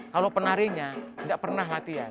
kalau penarinya tidak pernah latihan